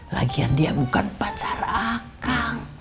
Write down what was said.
lagian dia bukan pacar akang